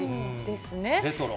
レトロ。